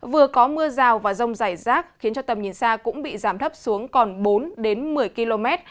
vừa có mưa rào và rông rải rác khiến cho tầm nhìn xa cũng bị giảm thấp xuống còn bốn một mươi km